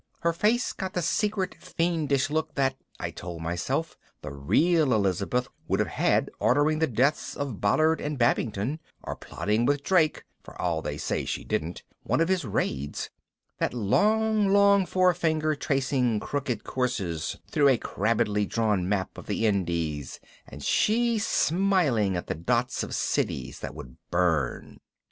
Her face got the secret fiendish look that, I told myself, the real Elizabeth would have had ordering the deaths of Ballard and Babington, or plotting with Drake (for all they say she didn't) one of his raids, that long long forefinger tracing crooked courses through a crabbedly drawn map of the Indies and she smiling at the dots of cities that would burn.